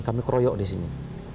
kami keroyok disini